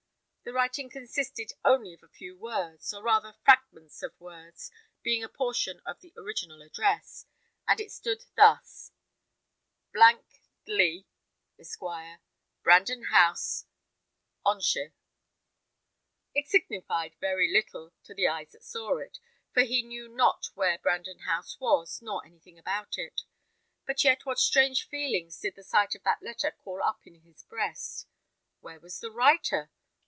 The writing consisted only of a few words, or rather fragments of words, being a portion of the original address, and it stood thus: " dley, Esq. Brandon House, onshire." It signified very little to the eyes that saw it, for he knew not where Brandon House was, nor anything about it; but yet what strange feelings did the sight of that letter call up in his breast. Where was the writer?